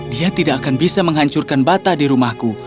dia tidak akan bisa menghancurkan bata di rumahku